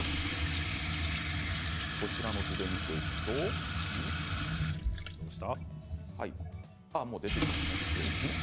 こちらの図で見ていくともう出ていますね、失礼しました。